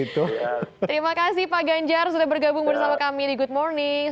terima kasih pak ganjar sudah bergabung bersama kami di good morning